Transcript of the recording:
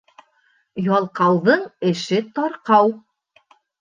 Ялҡауҙың эше тарҡау.